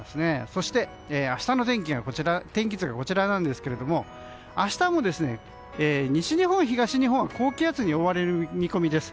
そして、明日の天気図がこちらなんですが明日も西日本、東日本は高気圧に覆われる見込みです。